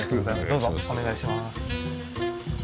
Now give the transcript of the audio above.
どうぞお願いします。